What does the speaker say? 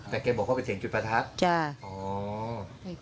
แต่แกบอกว่าเป็นเสียงกรุงประทักษณ์อ๋อ